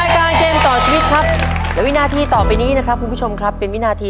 เกมต่อชีวิตครับและวินาทีต่อไปนี้นะครับคุณผู้ชมครับเป็นวินาที